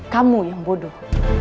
kamu yang bodoh